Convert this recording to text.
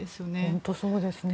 本当にそうですね。